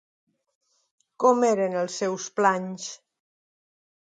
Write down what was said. Com eren els seus planys?